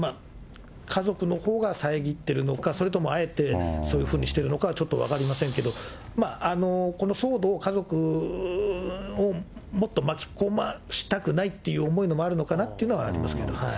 家族のほうが遮っているのか、それともあえて、そういうふうにしてるのかは、ちょっと分かりませんけど、この騒動、家族をもっと巻き込ましたくないっていう思いもあるのかなとはありますけど。